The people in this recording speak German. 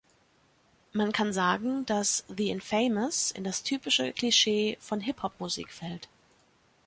Man kann sagen, dass "The Infamous" in das typische Klischee von Hip-Hop Musik fällt.